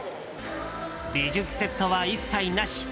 美術セットは一切なし。